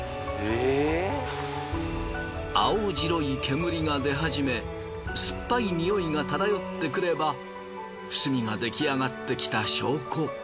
青白い煙が出はじめ酸っぱいにおいが漂ってくれば炭が出来上がってきた証拠。